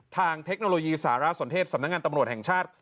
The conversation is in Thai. เทคโนโลยีสารสนเทศสำนักงานตำรวจแห่งชาติ